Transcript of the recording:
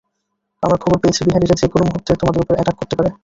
আমরা খবর পেয়েছি, বিহারিরা যেকোনো মুহূর্তে তোমাদের ওপর অ্যাটাক করতে পারে।